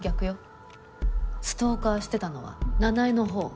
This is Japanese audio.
ストーカーしてたのは奈々江のほう。